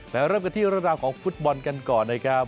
ไปเริ่มกันที่ระดาษของฟุตบอลกันก่อนนะครับ